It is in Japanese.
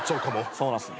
そうなんすね。